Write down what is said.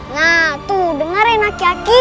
nah tuh dengerin aki aki